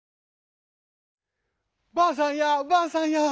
「ばあさんやばあさんや！